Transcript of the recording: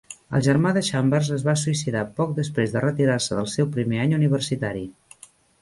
El germà de Chambers es va suïcidar poc després de retirar-se del seu primer any universitari.